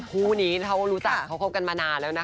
คู่นี้เขารู้จักเขาคบกันมานานแล้วนะคะ